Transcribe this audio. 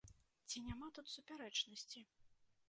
Ці няма тут супярэчнасці?